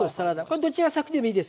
これどちら先でもいいです。